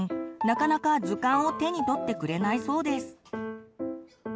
なかなか図鑑を手に取ってくれないそうです。